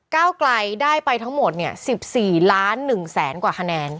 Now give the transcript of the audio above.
เก้ากลายได้ไปทั้งหมดเนี่ย๑๔ล้าน๑๐๐๐๐แบนกว่าคะแนน